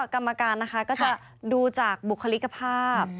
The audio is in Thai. กรรมการนะคะก็จะดูจากบุคลิกภาพ